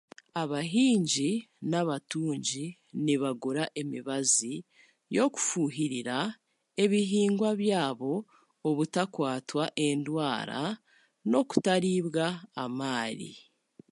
abahingi n'abatungi nibagura emibazi y'okufuhirira ebihingwa byabo kugira bitakwata endwara n'okutaribwa amaari